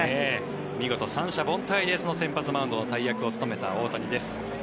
見事、三者凡退で先発マウンドの大役を務めた大谷です。